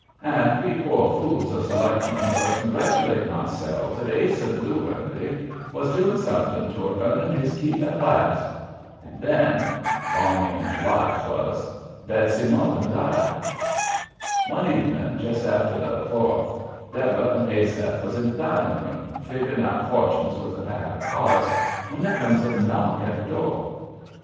And we poor fools of selectmen was congratulating ourselves that Ase Blueworthy was doing something toward earning his keep at last. And then 'long in July 'twas Betsy Mullen died. One evening, just after the Fourth, Deborah and Asaph was in the dining room, figgering out fortunes with a pack of cards, when there comes a knock at the door.